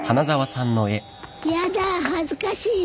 やだ恥ずかしいわ。